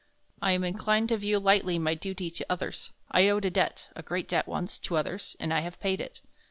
"I am inclined to view lightly my duty to others. I owed a debt a great debt once to others, and I have paid it.